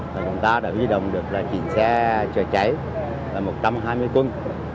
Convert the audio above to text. chúng ta đã huy động được là chỉnh xe chở cháy một trăm hai mươi quân